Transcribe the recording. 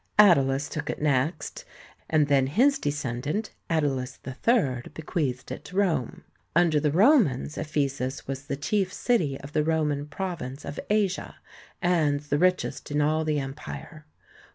Attalus took it next, and then his descendant, Attalus III., bequeathed it to Rome. Under the Romans Ephesus was the chief city of the Roman Province of Asia, and the richest in all the Empire.